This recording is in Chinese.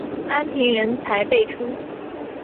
安平人才辈出。